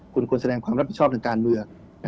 คุณควรแสดงความรับผิดชอบทางการเมือง